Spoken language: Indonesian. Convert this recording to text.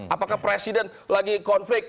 apakah presiden lagi konflik